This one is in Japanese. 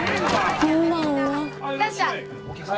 いらっしゃい。